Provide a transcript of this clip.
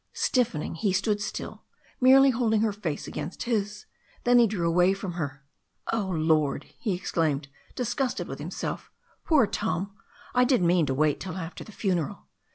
Stiffening, he stood still, merely holding her face against his. Then he drew away from her. "Oh, Lord !" he exclaimed, disgusted with himself. "Poor Tom. I did mean to wait till after the funeral."